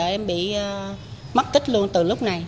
em bị mất tích luôn từ lúc này